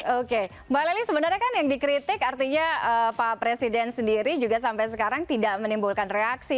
oke mbak lely sebenarnya kan yang dikritik artinya pak presiden sendiri juga sampai sekarang tidak menimbulkan reaksi